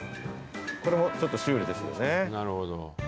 これもちょっとシュールですよね。